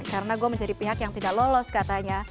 karena gue menjadi pihak yang tidak lolos katanya